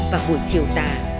và buổi chiều tả